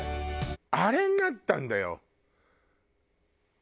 あれになったんだよ！